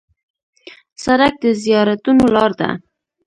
سړک د زیارتونو لار ده.